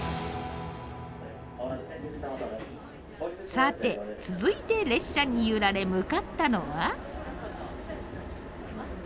さて続いて列車に揺られ向かったのは。